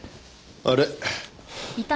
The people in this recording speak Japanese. あれ？